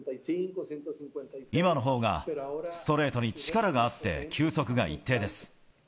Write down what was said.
今のほうがストレートに力があって、球速が一定です。